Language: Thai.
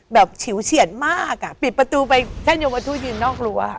แบบฉิวเฉียนมากปิดประตูไปท่านยอมประทูยืนนอกรั้ว